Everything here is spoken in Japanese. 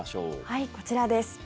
はい、こちらです。